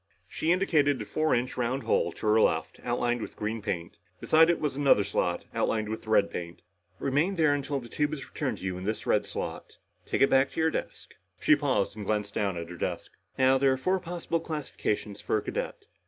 She indicated a four inch round hole to her left, outlined with green paint. Beside it, was another slot outlined with red paint. "Remain there until the tube is returned to you in the red slot. Take it back to your desk." She paused and glanced down at her desk. "Now, there are four possible classifications for a cadet.